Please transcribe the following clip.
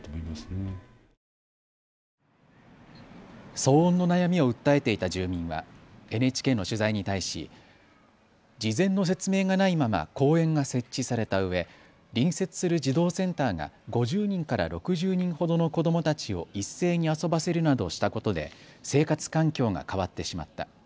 騒音の悩みを訴えていた住民はＮＨＫの取材に対し事前の説明がないまま公園が設置されたうえ、隣接する児童センターが５０人から６０人ほどの子どもたちを一斉に遊ばせるなどしたことで生活環境が変わってしまった。